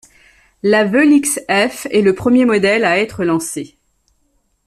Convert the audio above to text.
La Vewlix-F est le premier modèle à être lancé.